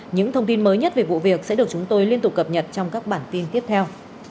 những thông tin mới nhất về vụ việc sẽ được chúng tôi liên tục cập nhật trong các bản tin tiếp theo